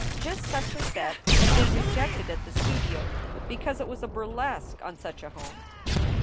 Just such a set had been rejected at the studio because it was a bur lesque on such a home.